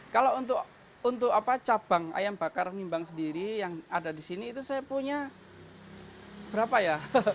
kalau untuk cabang ayam bakar nimbang sendiri yang ada di sini itu saya punya berapa ya